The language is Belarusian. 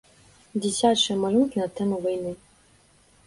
Дзіцячыя малюнкі на тэму вайны.